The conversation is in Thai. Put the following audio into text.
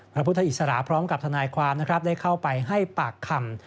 พระพุทธอิสระพร้อมกับทนายความนะครับได้เข้าไปให้ปากคำ